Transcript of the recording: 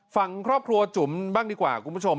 ฟังครอบครัวจุ๋มบ้างดีกว่าคุณผู้ชม